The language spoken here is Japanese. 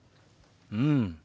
うん。